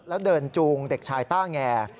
แล้วเดินจูงเด็กชายต้าแง